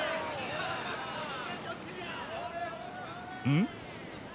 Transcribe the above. うん？